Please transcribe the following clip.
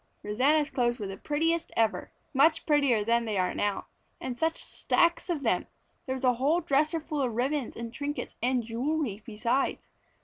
Rosanna's clothes were the prettiest ever; much prettier then than they are now. And such stacks of them! There was a whole dresser full of ribbons and trinkets and jewelry besides.